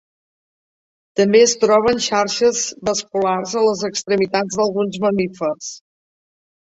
També es troben xarxes vasculars a les extremitats d'alguns mamífers.